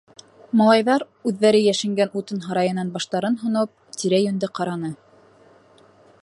Малайҙар, үҙҙәре йәшенгән утын һарайынан баштарын һоноп, тирә-йүнде ҡараны.